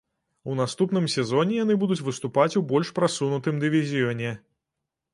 У наступным сезоне яны будуць выступаць у больш прасунутым дывізіёне.